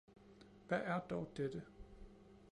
Hvad er dog dette!